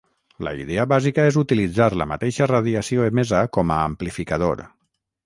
La idea bàsica és utilitzar la mateixa radiació emesa com a amplificador.